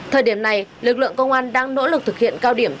thời điểm này lực lượng công an đang nỗ lực thực hiện các biện pháp